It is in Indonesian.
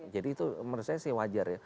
jadi itu menurut saya sih wajar ya